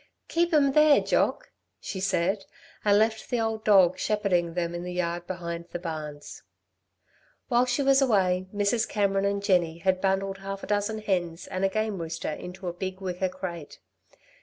"Keep 'em there, Jock!" she said and left the old dog shepherding them in the yard behind the barns. While she was away, Mrs. Cameron and Jenny had bundled half a dozen hens and a game rooster into a big wicker crate.